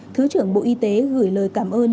thứ trưởng bộ y tế gửi lời cảm ơn